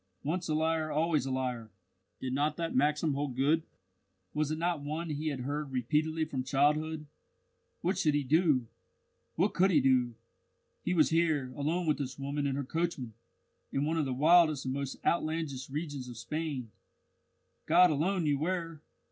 Once a liar always a liar! Did not that maxim hold good? Was it not one he had heard repeatedly from childhood? What should he do? What could he do? He was here, alone with this woman and her coachman, in one of the wildest and most outlandish regions of Spain. God alone knew where!